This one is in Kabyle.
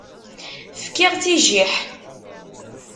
Fkiɣ-tt i jjiḥ.